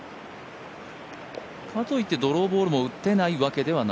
かといってドローボールも打てないわけではない？